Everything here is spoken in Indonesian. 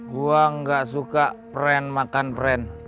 gua nggak suka perempuan makan perempuan